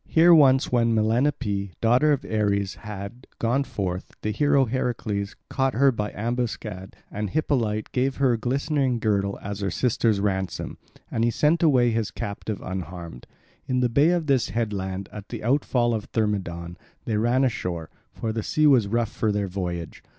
Here once when Melanippe, daughter of Ares, had, gone forth, the hero Heracles caught her by ambuscade and Hippolyte gave him her glistening girdle as her sister's ransom, and he sent away his captive unharmed. In the bay of this headland, at the outfall of Thermodon, they ran ashore, for the sea was rough for their voyage.